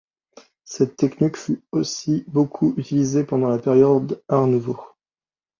Cette technique fut aussi beaucoup utilisée pendant la période Art nouveau.